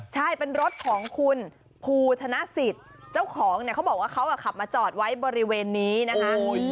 ใช่เป็นรถของคุณภูธนสิทธิ์เจ้าของเนี่ยเขาบอกว่าเขาขับมาจอดไว้บริเวณนี้นะคะ